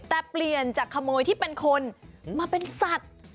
แต่เปลี่ยนจากขโมยที่เป็นคนมาเป็นสัตว์